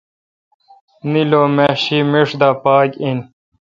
نیلومہشی میݭ دا پاک این